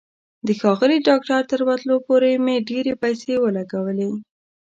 د ښاغلي ډاکټر تر ورتلو پورې مې ډېرې پیسې ولګولې.